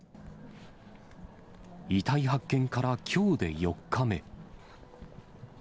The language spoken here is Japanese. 遺体発見からきょうで４日目。